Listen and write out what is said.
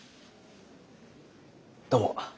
どうも。